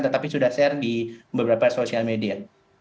tetapi sudah share di beberapa sosial media